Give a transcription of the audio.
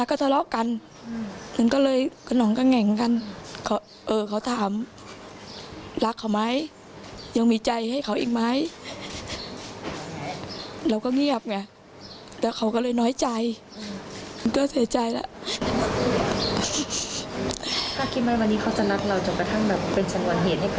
คิดว่าวันนี้เขาจะนัดเราจนกระทั่งแบบเป็นสัญวัณเหตุให้เกิดอย่างกันไหม